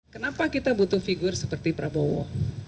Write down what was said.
kenapa kita butuh figur seperti prabowo